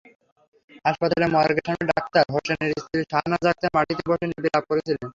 হাসপাতালের মর্গের সামনে আক্তার হোসেনের স্ত্রী শাহনাজ আক্তার মাটিতে বসে বিলাপ করছিলেন।